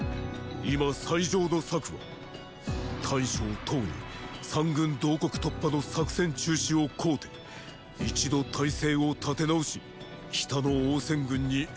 今最上の策は大将騰に三軍同刻突破の作戦中止を請うて一度態勢を立て直し北の王翦軍に援軍を頼むことです。